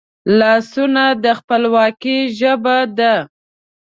لاسونه د خپلواکي ژبه ده